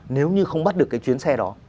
nếu như không bắt được cái chuyến xe đó